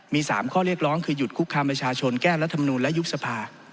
มี๓ข้อเรียกร้องคือหยุดคุกคามประชาชนแก้รัฐมนูลและยุบสภา